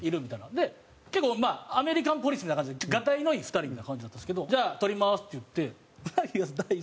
で結構アメリカンポリスみたいな感じでガタイのいい２人みたいな感じだったんですけど「じゃあ撮ります」って言って鰻の第一声が。